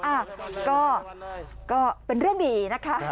อ่ะก็ก็เป็นเรื่องดีนะคะครับ